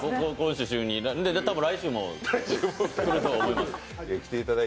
多分来週も来ると思います。